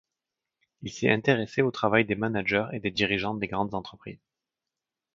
Il s'est intéressé au travail des managers et des dirigeants des grandes entreprises.